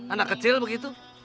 anak kecil begitu